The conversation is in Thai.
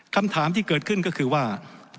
คำถามที่เกิดขึ้นก็คือว่า